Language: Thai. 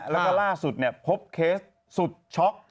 แล้วก็ล่าสุดพบเคสสุดช็อก